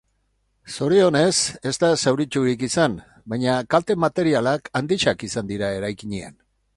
Zorionez, ez da zauriturik izan, baina kalte materialak handiak dira eraikinean.